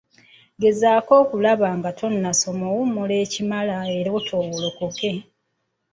Gezaako okulaba nti nga tonnasoma owummula ekimala era otoowolokoke.